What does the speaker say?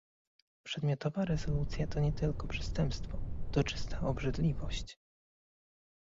Przedmiotowa rezolucja to nie tylko przestępstwo, to czysta obrzydliwość!